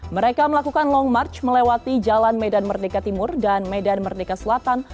mereka melakukan long march melewati jalan medan merdeka timur dan medan merdeka selatan